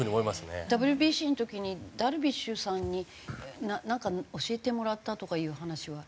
ＷＢＣの時にダルビッシュさんになんか教えてもらったとかいう話は。